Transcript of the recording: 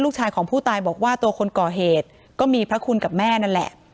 ลูกชายของผู้ตายบอกว่าตัวคนก่อเหตุก็มีพระคุณกับแม่นั่นแหละ